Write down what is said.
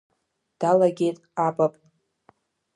Далагеит апап.